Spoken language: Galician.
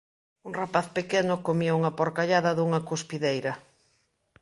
Un rapaz pequeno comía unha porcallada dunha cuspideira.